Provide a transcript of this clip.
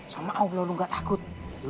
sama allah lu gak takut